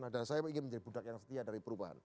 dan saya ingin menjadi budak yang setia dari perubahan